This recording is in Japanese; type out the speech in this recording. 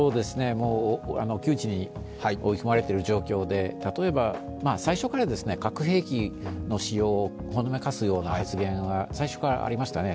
窮地に追い込まれている状況で、例えば最初から核兵器の使用をほのめかすような発言は最初からありましたね。